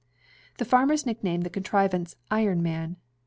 The farmers nicknamed the contrivance the "Iron Man."